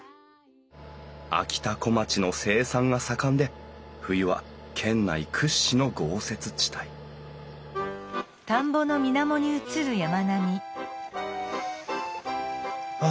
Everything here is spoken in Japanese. あきたこまちの生産が盛んで冬は県内屈指の豪雪地帯あ